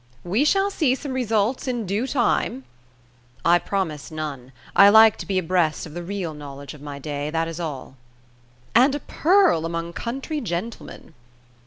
"We shall see some results in due time." "I promise none: I like to be abreast of the real knowledge of my day, that is all." "And a pearl among country gentlemen!"